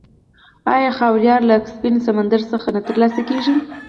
آیا خاویار له کسپین سمندر څخه نه ترلاسه کیږي؟